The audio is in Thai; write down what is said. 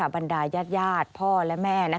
บรรดายาดพ่อและแม่